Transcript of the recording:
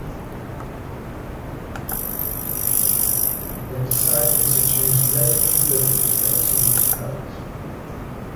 They decided to choose red and blue as their team's colours.